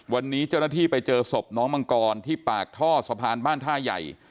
วันนี้เจ้าหน้าที่ไปเจอศพน้องมังกรที่ปากท่อสะพานบ้านท่าใหญ่